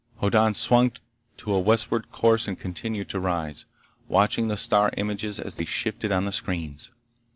Hoddan swung to a westward course and continued to rise, watching the star images as they shifted on the screens.